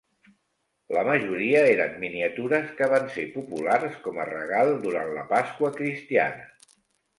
La majoria eren miniatures que van ser populars com a regal durant la Pasqua cristiana.